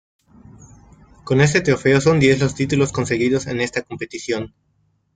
Con este trofeo son diez los títulos conseguidos en esta competición.